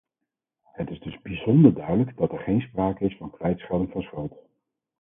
Het is dus bijzonder duidelijk dat er geen sprake is van kwijtschelding van schuld.